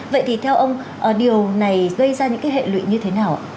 vậy thì theo ông điều này gây ra những cái hệ lụy như thế nào